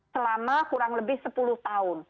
selama kurang lebih sepuluh tahun